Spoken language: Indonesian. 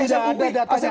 itu udah tanya